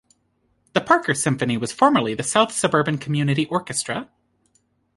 The Parker Symphony was formerly the South Suburban Community Orchestra.